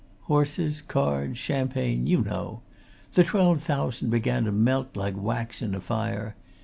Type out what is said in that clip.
Horses, cards, champagne you know! The twelve thousand began to melt like wax in a fire.